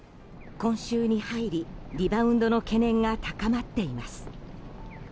今週に入りリバウンドの懸念が高まっています。